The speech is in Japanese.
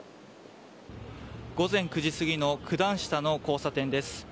午前９時過ぎの九段下の交差点です。